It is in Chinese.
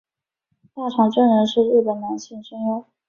大场真人是日本男性声优。